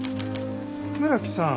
村木さん。